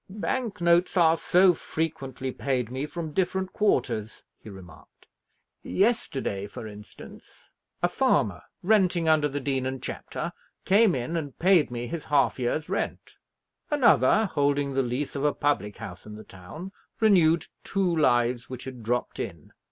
"Bank notes are so frequently paid me from different quarters," he remarked. "Yesterday, for instance, a farmer, renting under the Dean and Chapter, came in, and paid me his half year's rent. Another, holding the lease of a public house in the town, renewed two lives which had dropped in.